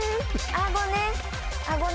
「アゴ」ね。